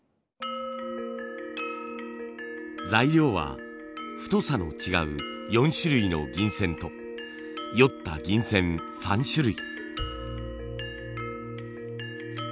材料は太さの違う４種類の銀線とよった銀線３種類。